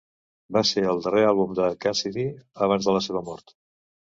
Va ser el darrer àlbum de Cassidy abans de la seva mort.